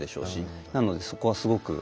なのでそこはすごく。